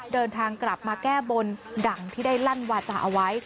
เดินทางกลับมาแก้บนดังที่ได้ลั่นวาจาเอาไว้